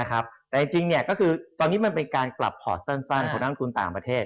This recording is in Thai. แต่จริงก็คือตอนนี้มันเป็นการกลับพอร์ตสั้นของนักลงทุนต่างประเทศ